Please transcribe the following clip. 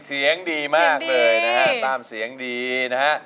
เสียงดีมากเลยตามเสียงดีนะ